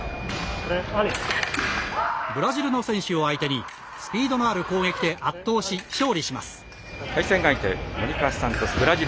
ブラジルの選手を相手にスピードのある攻撃で圧倒し勝利します。